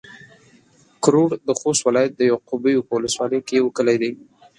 کرړو د خوست ولايت د يعقوبيو په ولسوالۍ کې يو کلی دی